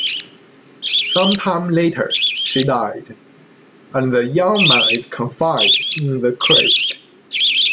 Some time later, she died, and the young man is confined in the crypt.